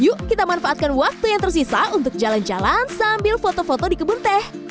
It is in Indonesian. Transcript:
yuk kita manfaatkan waktu yang tersisa untuk jalan jalan sambil foto foto di kebun teh